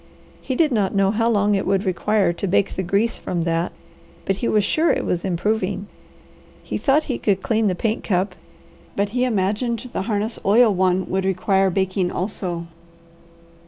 He did not know how long it would require to bake the grease from that, but he was sure it was improving. He thought he could clean the paint cup, but he imagined the harness oil one would require baking also.